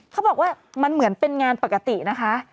เขาบอกว่ามันเหมือนเป็นงานปกตินะคะ